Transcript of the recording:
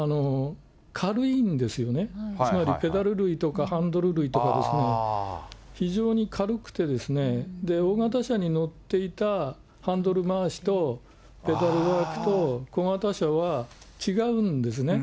軽いんですよね、つまりペダル類とかハンドル類とか、非常に軽くて、大型車に乗っていたハンドル回しとペダルワークと、小型車は違うんですね。